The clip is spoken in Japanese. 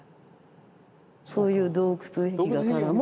そういう洞窟壁画からも。